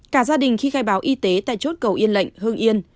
cả gia đình khi khai báo y tế tại chốt cầu yên lệnh hưng yên